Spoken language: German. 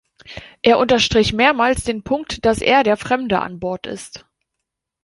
Er unterstrich mehrmals den Punkt, dass er der „Fremde“ an Bord ist.